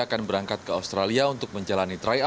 akan berangkat ke australia untuk menjalankan kondisi terbaiknya